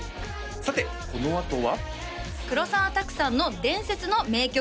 さてこのあとは黒澤拓さんの伝説の名曲